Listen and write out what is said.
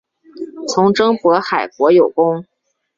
从征渤海国有功。